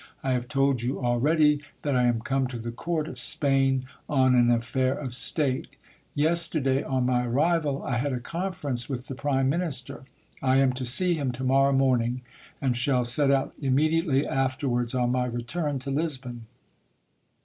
I have told you already that I am come to the court of Spain on an affair of state. Yesterday, on my arrival, I had a conference with the prime minister ; I am to see him to morrow morn ing, and shall set out immediately afterwards on my return to Lisbon.